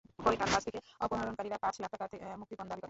পরে তাঁর কাছ থেকে অপহরণকারীরা পাঁচ লাখ টাকা মুক্তিপণ দাবি করে।